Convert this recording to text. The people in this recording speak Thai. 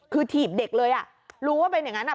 คือถีบเด็กเลยรู้ว่าเป็นอย่างนั้น